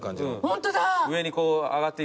ホントだ。